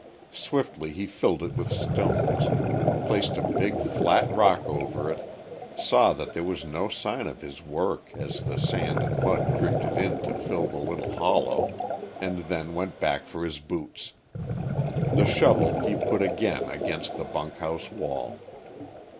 Swiftly he filled it with stones, placed a big, flat rock over it, saw that there was no sign of his work as the sand and mud drifted in to fill the little hollow, and then went back for his boots. The shovel he put again against the bunk house wall.